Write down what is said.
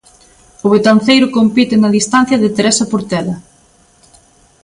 O betanceiro compite na distancia de Teresa Portela.